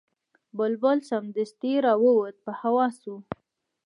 بلبل سمدستي را ووت په هوا سو